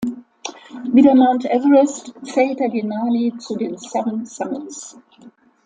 Wie der Mount Everest zählt der Denali zu den Seven Summits.